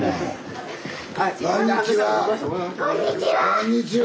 こんにちは。